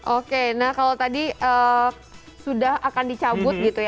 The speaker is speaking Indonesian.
oke nah kalau tadi sudah akan dicabut gitu ya